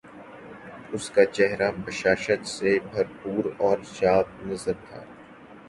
اس کا چہرہ بشاشت سے بھر پور اور جاب نظر تھا